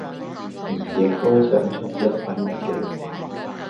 而亦都想出一分力嘅話